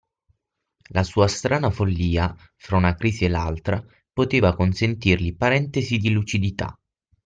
La sua strana follia, fra una crisi e l'altra, poteva consentirgli parentesi di lucidità